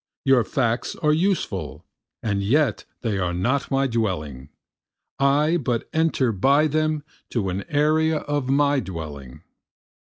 Your facts are useful, and yet they are not my dwelling, I but enter by them to an area of my dwelling.